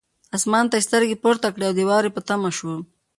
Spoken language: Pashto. اسمان ته یې سترګې پورته کړې او د واورې په تمه شو.